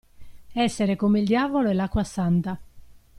Essere come il diavolo e l'acqua santa.